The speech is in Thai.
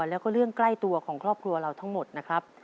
แล้วก็เรื่องใกล้ตัวของครอบครัวเราทั้งหมดนะครับ